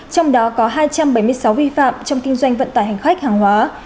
trong đó có hai trăm bảy mươi sáu vi phạm trong kinh doanh vận tải hành khách hàng hóa